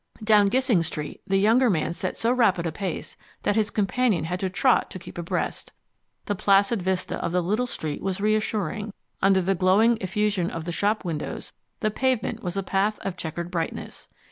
Down Gissing Street the younger man set so rapid a pace that his companion had to trot to keep abreast. The placid vista of the little street was reassuring. Under the glowing effusion of the shop windows the pavement was a path of checkered brightness.